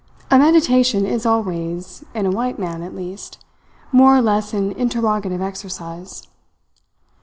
A meditation is always in a white man, at least more or less an interrogative exercise.